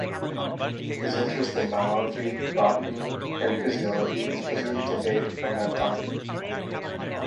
His interest in biology, botany and physiology is presumed to date from that time.